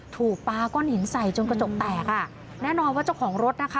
ถูกปลาก้อนหินใส่จนกระจกแตกอ่ะแน่นอนว่าเจ้าของรถนะคะ